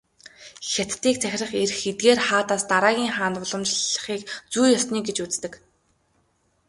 Хятадыг захирах эрх эдгээр хаадаас дараагийн хаанд уламжлахыг "зүй ёсны" гэж үздэг.